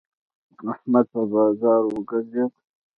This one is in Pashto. احمد په بازار وګرځېد.